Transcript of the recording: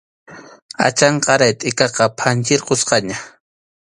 Achanqaray tʼikaqa phanchirqusqaña.